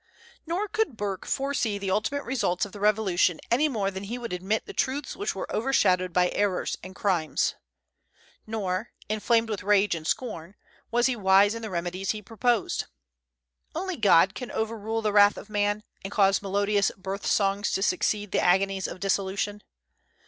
Nor could Burke foresee the ultimate results of the Revolution any more than he would admit the truths which were overshadowed by errors and crimes. Nor, inflamed with rage and scorn, was he wise in the remedies he proposed. Only God can overrule the wrath of man, and cause melodious birth songs to succeed the agonies of dissolution.